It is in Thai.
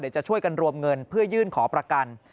จะช่วยกันรวมเงินเพื่อยื่นขอประกัน